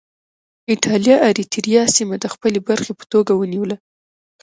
اېټالیا اریتیریا سیمه د خپلې برخې په توګه ونیوله.